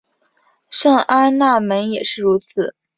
圣安娜门也是如此。